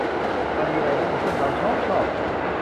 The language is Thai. มันมีไรมั่ง ซึ่งเราช้อบชอบ